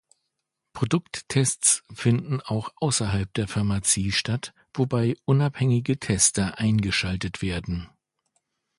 Produkttests finden auch außerhalb der Pharmazie statt, wobei unabhängige Tester eingeschaltet werden.